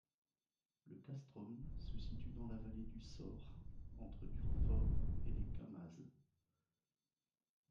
Le castrum se situe dans la vallée du Sor, entre Durfort et Les Cammazes.